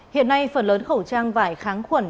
hiện nay phần lớn khẩu trang vải kháng khuẩn